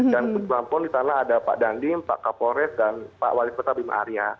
dan kemudian pun di sana ada pak dandim pak kapolres dan pak walis petabim arya